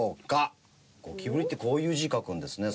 ゴキブリってこういう字書くんですね。